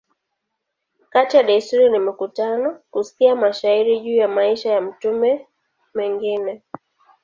Kati ya desturi ni mikutano, kusikia mashairi juu ya maisha ya mtume a mengine.